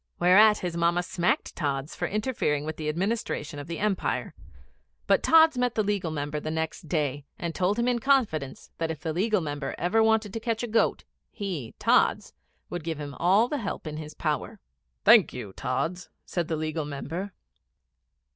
Whereat his Mamma smacked Tods for interfering with the administration of the Empire; but Tods met the Legal Member the next day, and told him in confidence that if the Legal Member ever wanted to catch a goat, he, Tods, would give him all the help in his power. 'Thank you, Tods,' said the Legal Member.